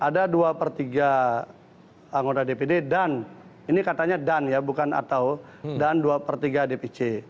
ada dua per tiga anggota dpd dan ini katanya dan ya bukan atau dan dua per tiga dpc